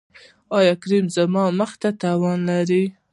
ایا کریم زما مخ ته تاوان لري؟